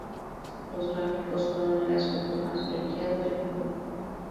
Los gráficos fueron el aspecto más elogiado del juego.